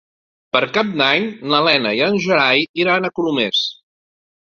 Per Cap d'Any na Lena i en Gerai iran a Colomers.